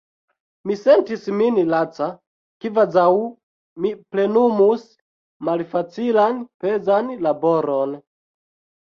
Mi sentis min laca, kvazaŭ mi plenumus malfacilan pezan laboron.